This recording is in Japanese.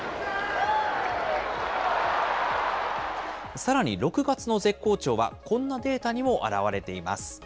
さらに６月の絶好調は、こんなデータにも表れています。